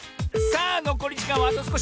あのこりじかんはあとすこし！